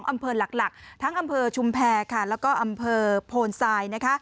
๒อำเภอหลักทั้งอำเภอชุมแพรและอำเภอโพนไซน์